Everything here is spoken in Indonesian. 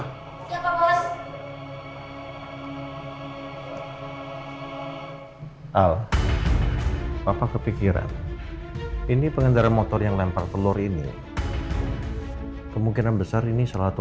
hai al apa kepikiran ini pengendara motor yang lempar telur ini kemungkinan besar ini salah satu